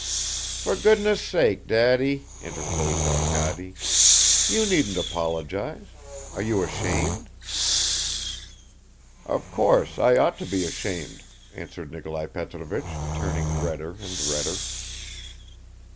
"For goodness' sake, Daddy," interposed Arkady. "You needn't apologize. Are you ashamed?" "Of course, I ought to be ashamed," answered Nikolai Petrovich, turning redder and redder.